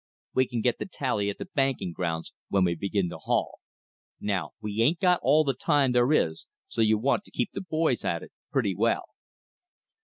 We can get the tally at the banking grounds when we begin to haul. Now we ain't got all the time there is, so you want to keep the boys at it pretty well."